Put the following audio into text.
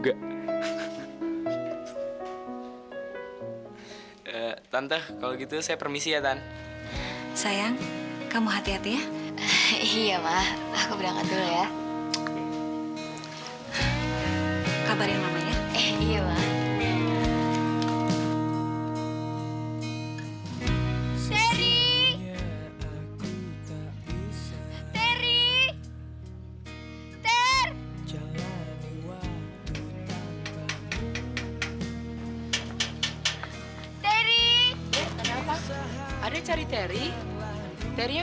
aku tante dari sini